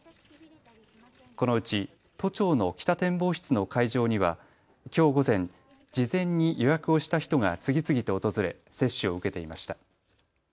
このうち都庁の北展望室の会場にはきょう午前、事前に予約をした人が次々と訪れ接種を受けていました。